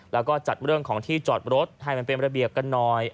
แล้วก็จัดเรื่องของที่จอดรถให้มันเป็นระเบียบกันหน่อย